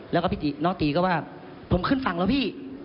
แล้วก็น้องตีก็ว่าผมขึ้นฝั่งแล้วพี่